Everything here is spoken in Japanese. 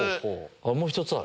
もう１つある？